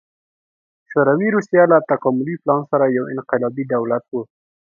شوروي روسیه له تکاملي پلان سره یو انقلابي دولت و